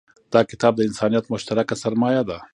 دا کتاب د انسانیت مشترکه سرمایه ده.